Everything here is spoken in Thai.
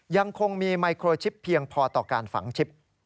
ยังคงมีไมโครชิปเพียงพอต่อการฝังชิป